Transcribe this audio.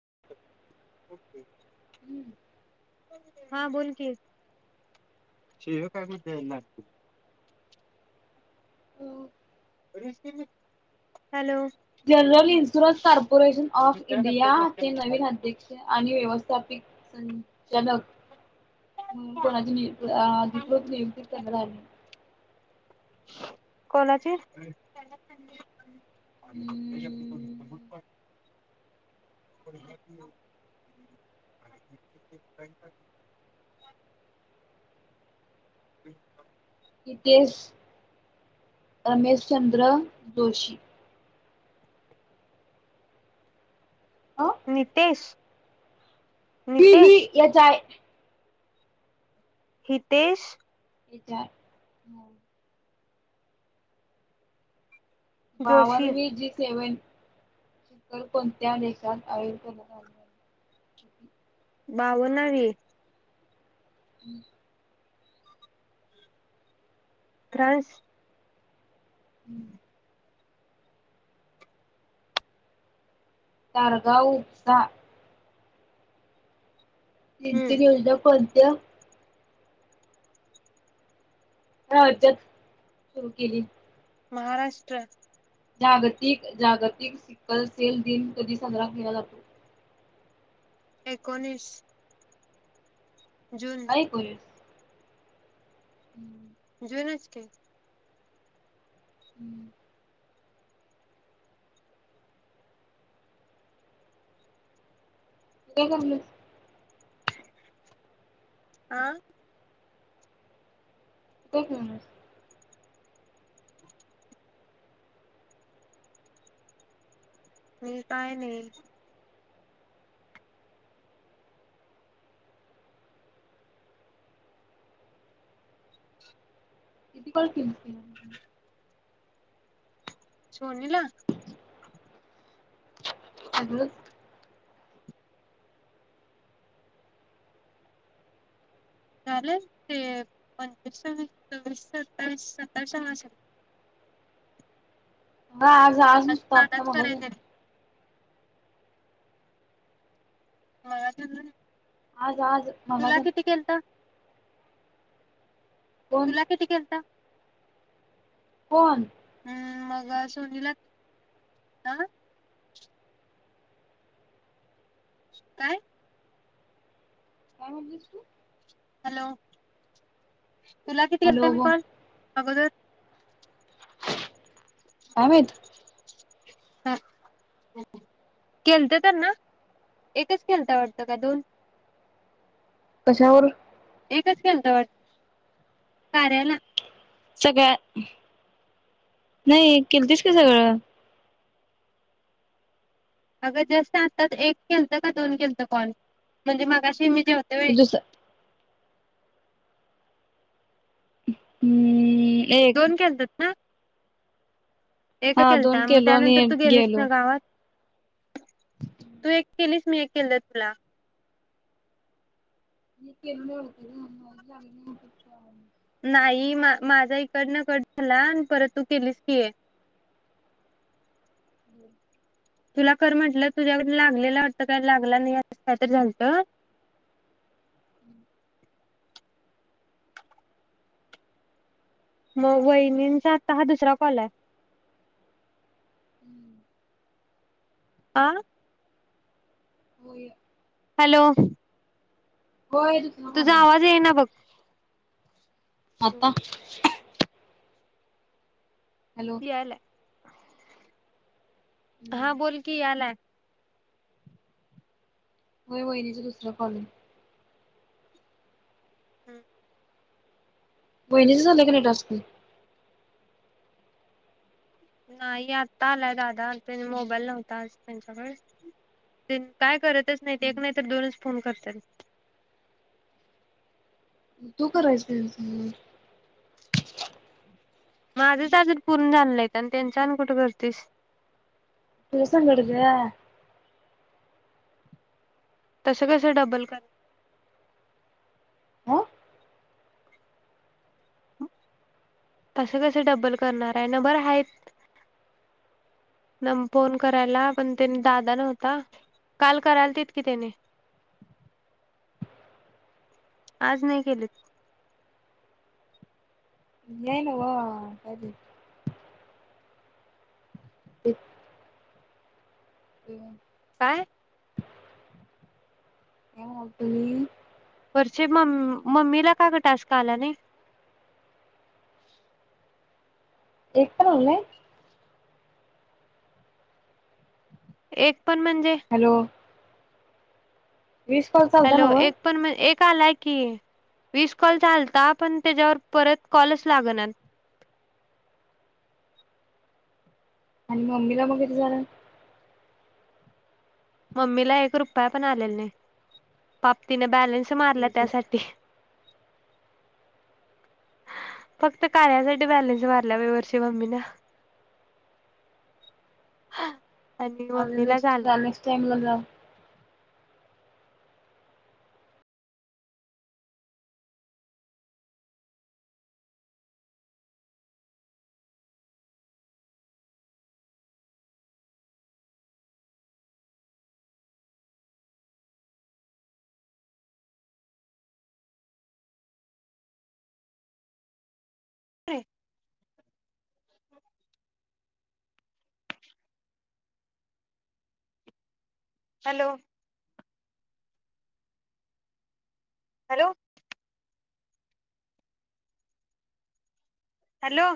[unintelligible] हम्म हा बोल की शीव्या काय बोलते हो hello general insurance corporation of इंडियाचे नवीन अध्यक्ष आणि व्यवस्थापित तन चानक अं कोणाची बी अधिकृत नियुक्ती करण्यात आली कोणाची आणि [unintelligible] [unintelligible] हम्म [unintelligible] हितेश अनीशचंद्र दोशी. अ नितेश ही- ही नितेश यच आय हितेश. [unintelligible] [unintelligible] [unintelligible] जोशी कोणत्या देशात [unintelligible] बावणावी. [inaudible] फ्रान्स. हं [inaudible] उपसा. हम्म [unintelligible] कोणत्या? राज्यात सुरू केली? महाराष्ट्र. जागतिक-जागतिक सिकलसेल दिन कधी साजरा केला जातो? एकोणीस. जून काय एकोणीस? [inaudible] जुनच की. हं. [unintelligible] आ काय करायलेस? मी काय नाही. किती कॉल केले असतील, सोनीला? [unintelligible] झालेत ते पंचवीस सव्वीस सव्वीस सत्तावीस सत्तावीसावा असेल. म आज आज नुसता आता आताच मगाशी करायचं मागच्यानं जरी आज आज तुला मगाच्यान किती केलतं? कोण तुला किती केेलता? कोन? [inaudible] सोनीला आ काय? काय म्हनलीस तू? हॅलो, तुला किती केलतं हॅलो मी ग कॉल? अगोदर काय माहित? [unintelligible] केलतं त्यांना? एकच केलता वाटतं का दोन? कशावरुन? एकच केलता वाट [inaudible] सगळ्या नाही केलतीस का सगळं. अगं जास्त हातात एक केलतं का दोन केलतं कॉल, म्हणजे मगाशी मी [unintelligible] होते व्हय? दुस किती? दोन केलता त एकं हा केलता, दोन मग केलो आणि त्यानंतर एक तू गेलीस गेलो ना गावात? तू एक केलीस मी एक केलता तुला. [unintelligible] नाही मा माझा इकडन कट झाला परत तू केलीस की एक. [unintelligible] [unintelligible] तुला कर म्हंटलं, तुझ्याकडन लागलेला वाटतं का लागला नाही असं कायतरी झालत. [inaudible] मग वहिनींचा, आत्ता हा दुसरा कॉल आहे. [inaudible] आ, होय, हॅलो होय दुसरा कॉल तुझा आहे. आवाज येईना बघ. आता, हॅलो यायलाय. [unintelligible] हम्म हा बोल की यायलाय. होय वहिनीचा दुसरं कॉल आहे. हम्म, वहिनींच झालं की नाही टास्क. नाही आता आलाय दादा त्यांनी, मोबाईल नव्हता आज त्यांच्याकडे. ते काय करतच नाही ते हम्म एक नाही तर दोनच फोन करतात. [inaudible] तू करायच, [unintelligible] माझच तुझ्या अजून पूर्ण झाल नहित, आणि तेंच आणि कुठ करतीस. तुज्यासंगड ग, तसं कसं डबल क, [unintelligible] ह तस कस डब्बल करणार नंबर हाय च, न फोन करायला पण, त्यानी दादा नव्हता काल करायलतीत की तेनी, आज नाही केलीत, नाय नव्ह मग ठीक आहे. ते, हम, काय, काय म्हणालती, छए मम मम्मीला का ग टास्क आला नाही, एक पण आला नाही? एक पण म्हणजे, हॅलो वीस कॉल चालता हॅलो नव्ह एक पण एक, आलाय की वीस कॉलचा आलता, पण त्याच्यावर परत कॉलच लागणात, [unintelligible] आणि मम्मी ला मग कीती झालयत, मम्मीला एक रुपया पण आल्याला नय पाप तिन बॅलन्स, मारला त्यासाठी, [unintelligible] फक्त कार्यासाठी बॅलन्स मारल्या बग वर्षी मम्मी न, आणि मम्मीलाच अल, त्या मुल्या, ते, हॅलो, हॅलो, हॅलो,